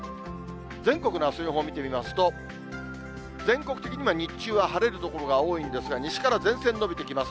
全国のあすの予報を見てみますと、全国的に日中は晴れる所が多いんですが、西から前線延びてきます。